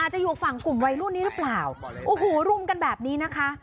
จะอยู่ฝั่งกลุ่มวัยรุ่นนี้หรือเปล่าโอ้โหรุมกันแบบนี้นะคะ